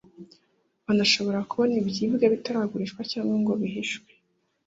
banashobora kubona ibyibwe bitaragurishwa cyangwa ngo bihishwe